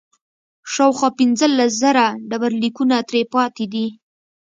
شاوخوا پنځلس زره ډبرلیکونه ترې پاتې دي.